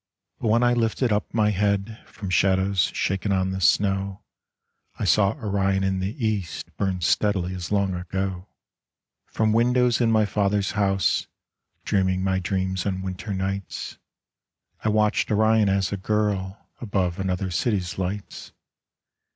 But when I lifted up my head From shadows shaken on the snow, I saw Orion in the east Burn steadily as long ago. From windows in my father's house, Dreaming my dreams on winter nights, I watched Orion as a girl Above another city's lights.